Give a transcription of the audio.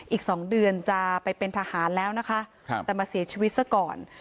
อีก๒เดือนจะไปเป็นทหารแล้วนะคะแต่มาเสียชีวิตซะก่อน